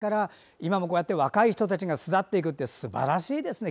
歴史ある老舗の空間から今もこうやって若い人たちが巣立っていくってすばらしいですね。